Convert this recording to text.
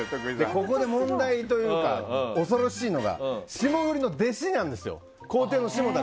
ここで問題というか恐ろしいのが霜降りの弟子なんです。